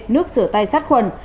nước sửa tay sát khuẩn